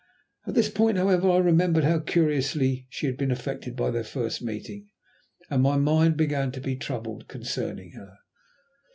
At this point, however, I remembered how curiously she had been affected by their first meeting, and my mind began to be troubled concerning her.